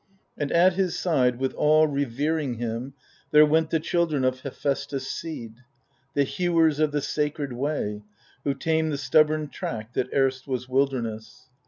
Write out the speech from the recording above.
And at his side, with awe revering him, There went the children of Hephaestus' seed, The hewers of the sacred way, who tame The stubborn tract that erst was wilderness.